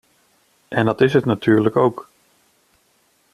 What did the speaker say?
En dat is het natuurlijk ook.